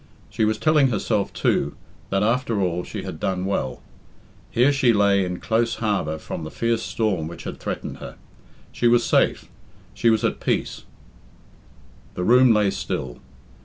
She was telling herself, too, that, after all, she had done well. Here she lay in close harbour from the fierce storm which had threatened her. She was safe, she was at peace. The room lay still.